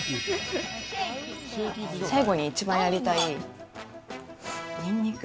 最後に一番やりたいニンニク。